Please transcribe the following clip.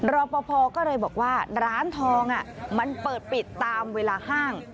รอปภก็เลยบอกว่าร้านทองมันเปิดปิดตามเวลาห้าง